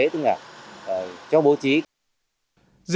đồng chí bí thư